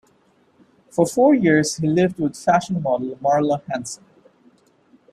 For four years he lived with fashion model Marla Hanson.